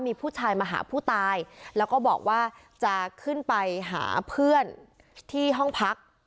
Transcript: มีผู้ชายมาหาผู้ตายแล้วก็บอกว่าจะขึ้นไปหาเพื่อนที่ห้องพัก